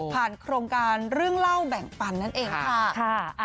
โครงการเรื่องเล่าแบ่งปันนั่นเองค่ะ